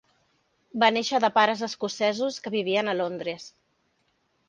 Va néixer de pares escocesos que vivien a Londres.